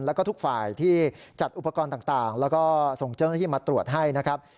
แล้วก็ทุกฝ่ายที่จัดอุปกรณ์ต่างแล้วก็ส่งเจ้าหน้าที่มาตรวจให้นะครับ